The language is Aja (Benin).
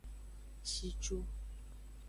Shicu.